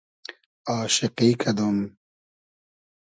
آشیقی کئدوم